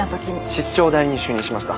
室長代理に就任しました。